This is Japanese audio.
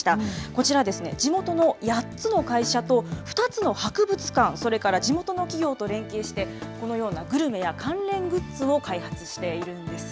こちらは地元の８つの会社と２つの博物館、それから地元の企業と連携して、このようなグルメや関連グッズを開発しているんです。